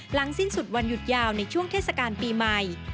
สิ้นสุดวันหยุดยาวในช่วงเทศกาลปีใหม่